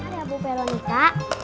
pernah bu peronita